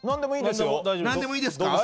何でもいいですよ。